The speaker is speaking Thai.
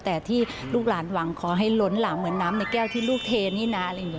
แต่ที่ลูกหลานหวังขอให้หล้นหลามเหมือนน้ำในแก้วที่ลูกเทนี่นะ